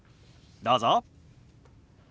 どうぞ。